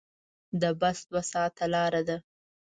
د بس دوه ساعته لاره ده.